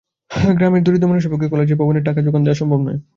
গ্রামের দরিদ্র মানুষের পক্ষে কলেজের ভবনে টাকা জোগান দেওয়া সম্ভব নয়।